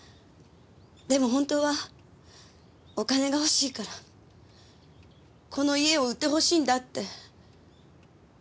でも本当はお金がほしいからこの家を売ってほしいんだって寺西さん知ってましたよ。